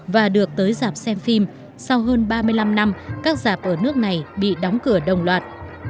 và được tới giảm xem phim sau hơn ba mươi năm năm các giảp ở nước này bị đóng cửa đồng loạt